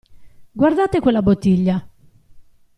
Guardate quella bottiglia!